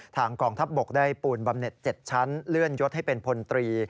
กองทัพบกได้ปูนบำเน็ต๗ชั้นเลื่อนยศให้เป็นพลตรี